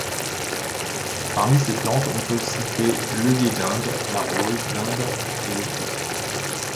Parmi ces plantes, on peut citer l'œillet d'Inde, la rose d'Inde et le souci.